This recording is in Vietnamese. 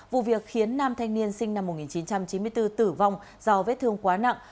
vụ việc khiến nam thanh niên sinh năm một nghìn chín trăm chín mươi bốn tử vong do vết thương quá nặng